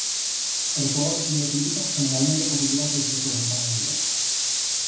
El juego recibió críticas generalmente positivas desde su lanzamiento.